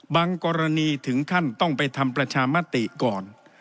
กรณีถึงขั้นต้องไปทำประชามติก่อน